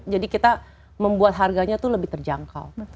jadi kita membuat harganya itu lebih terjangkau